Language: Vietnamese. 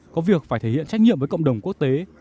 có việc phải thể hiện trách nhiệm với cộng đồng quốc tế